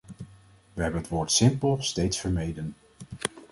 We hebben het woord simpel steeds vermeden.